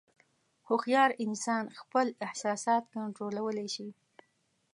هوښیار انسان خپل احساسات کنټرولولی شي.